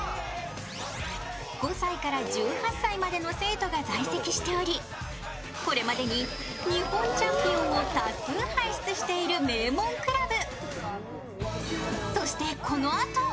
５歳から１８歳までの生徒が在籍しており、これまでに日本チャンピオンを多数輩出している名門クラブ。